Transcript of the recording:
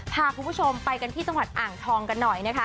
พาคุณผู้ชมไปกันที่จังหวัดอ่างทองกันหน่อยนะคะ